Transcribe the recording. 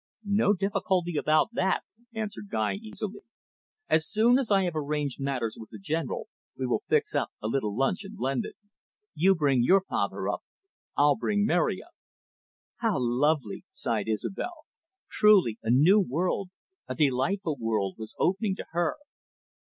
"No difficulty about that," answered Guy easily. "As soon as I have arranged matters with the General, we will fix up a little lunch in London. You bring your father up; I'll bring Mary up." "How lovely!" sighed Isobel. Truly, a new world, a delightful world, was opening to her.